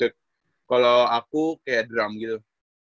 kalau aku kayak drum gitu